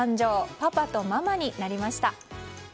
パパとママになりました。